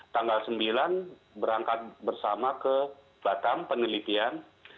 tanggal sembilan berangkat bersama ke batam penelitian